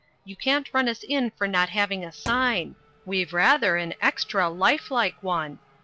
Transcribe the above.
You can't run us in for not having a sign; we've rather an extra life like one.